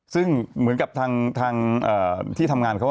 ซึ่งเหมือนกับทางที่ทำงานเขา